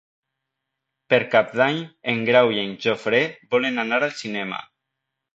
Per Cap d'Any en Grau i en Jofre volen anar al cinema.